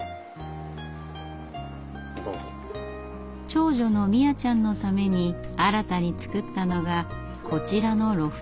長女の実椰ちゃんのために新たに作ったのがこちらのロフト。